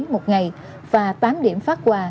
một ngày và tám điểm phát qua